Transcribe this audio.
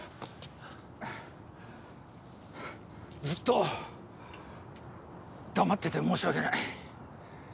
ずっと黙ってて申し訳ない。